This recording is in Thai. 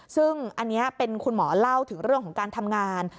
ซึ่งอันนี้เป็นคุณหมอเล่าถึงเรื่องของการทำงาน